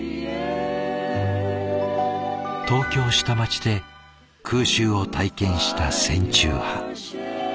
東京下町で空襲を体験した戦中派。